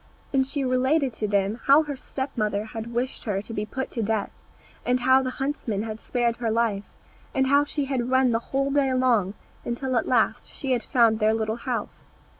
And she related to them how her step mother had wished her to be put to death, and how the huntsman had spared her life, and how she had run the whole day long, until at last she had found their little house.